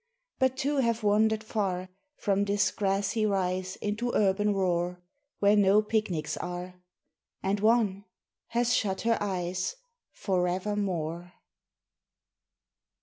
—But two have wandered far From this grassy rise Into urban roar Where no picnics are, And one—has shut her eyes For evermore.